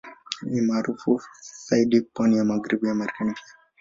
Inakuwa maarufu zaidi pwani ya Magharibi ya Marekani pia.